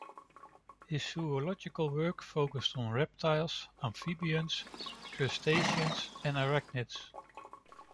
His zoological work focussed on reptiles, amphibians, crustaceans and arachnids.